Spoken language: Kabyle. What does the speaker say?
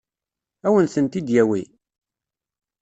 Ad wen-tent-id-yawi?